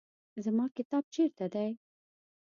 زما کتاب چیرته دی؟